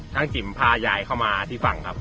จิ๋มพายายเข้ามาที่ฝั่งครับ